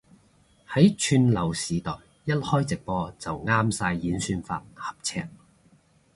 喺串流時代一開直播就啱晒演算法合尺